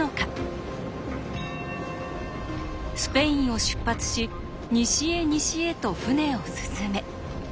スペインを出発し西へ西へと船を進め。